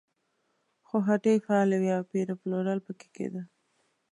خو هټۍ فعالې وې او پېر و پلور پکې کېده.